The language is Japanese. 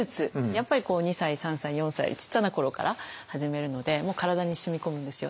やっぱり２歳３歳４歳ちっちゃな頃から始めるのでもう体にしみこむんですよ。